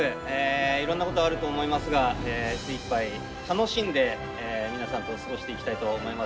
いろんなことあると思いますが精いっぱい楽しんで皆さんと過ごしていきたいと思います。